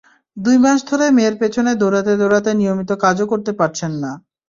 দুই মাস ধরে মেয়ের পেছনে দৌড়াতে দৌড়াতে নিয়মিত কাজও করতে পারছেন না।